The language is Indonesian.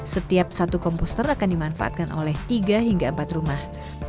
setiap satu komposter akan dimanfaatkan oleh tiga hingga empat rumah